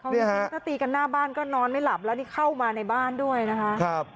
ถ้าตีกันหน้าบ้านก็นอนไม่หลับแล้วนี่เข้ามาในบ้านด้วยนะคะ